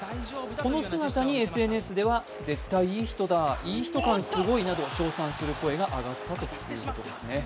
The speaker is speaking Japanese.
この姿にＳＮＳでは絶対いい人だ、いい人感すごいと称賛する声が上がったというころです。